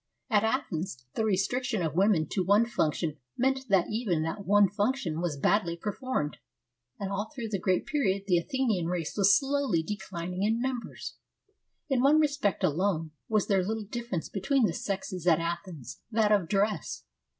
At Athens the restriction of women to one function meant that even that one function was badly per formed, and all through the great period the Athenian race was slowly declining in numbers. In one respect alone was there little difference between the sexes at Athens — that of dress.